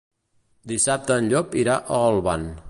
Dissabte en Llop irà a Olvan.